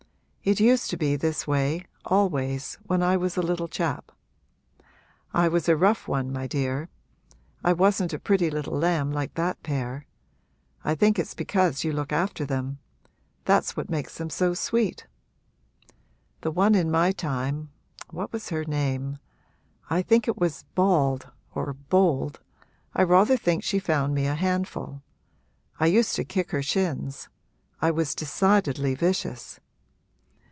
It used to be this way always when I was a little chap. I was a rough one, my dear; I wasn't a pretty little lamb like that pair. I think it's because you look after them that's what makes 'em so sweet. The one in my time what was her name? I think it was Bald or Bold I rather think she found me a handful. I used to kick her shins I was decidedly vicious.